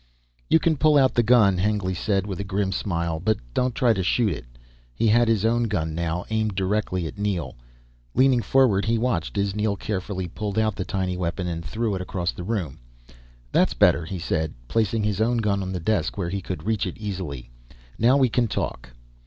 "You can pull out the gun," Hengly said with a grim smile, "but don't try to shoot it." He had his own gun now, aimed directly at Neel. Leaning forward he watched as Neel carefully pulled out the tiny weapon and threw it across the room. "That's better," he said, placing his own gun on the desk where he could reach it easily. "Now we can talk."